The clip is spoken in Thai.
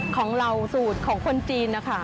ของเราสูตรของคนจีนนะคะ